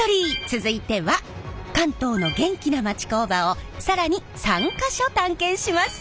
続いては関東の元気な町工場を更に３か所探検します！